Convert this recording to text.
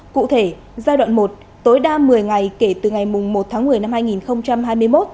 cụ thể giai đoạn một tối đa một mươi ngày kể từ ngày một tháng một mươi năm hai nghìn hai mươi một